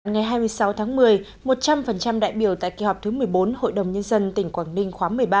ngày hai mươi sáu tháng một mươi một trăm linh đại biểu tại kỳ họp thứ một mươi bốn hội đồng nhân dân tỉnh quảng ninh khóa một mươi ba